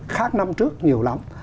khác năm trước nhiều lắm